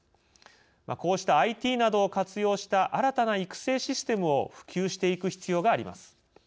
こうしたＩＴなどを活用した新たな育成システムを普及していく必要があります。